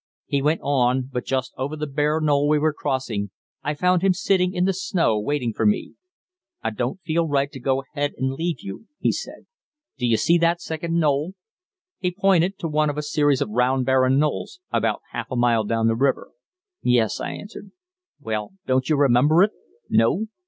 He went on, but just over the bare knoll we were crossing I found him sitting in the snow waiting for me. "I don't feel right to go ahead and leave you," he said. "Do you see that second knoll?" He pointed to one of a series of round barren knolls about half a mile down the river. "Yes," I answered. "Well, don't you remember it? No?